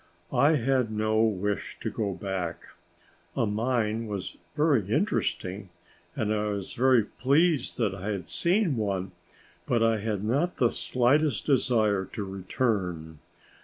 I had no wish to go back. A mine was very interesting, and I was very pleased that I had seen one, but I had not the slightest desire to return.